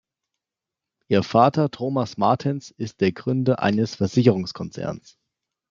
Ihr Vater Thomas Martens ist der Gründer eines Versicherungskonzerns.